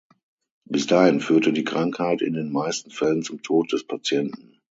Bis dahin führte die Krankheit in den meisten Fällen zum Tod des Patienten.